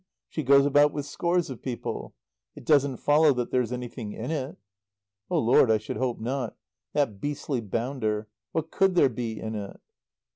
She goes about with scores of people. It doesn't follow that there's anything in it." "Oh, Lord, I should hope not! That beastly bounder. What could there be in it?"